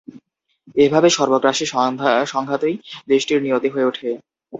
এভাবে সর্বগ্রাসী সংঘাতই দেশটির নিয়তি হয়ে ওঠে।